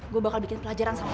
gue bakal bikin pelajaran sama